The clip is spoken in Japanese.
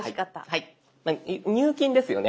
入金ですよね。